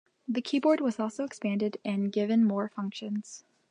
The keyboard was also expanded and given more functions.